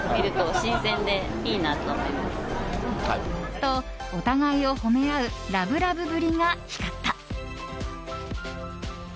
と、お互いを褒め合うラブラブぶりが光った。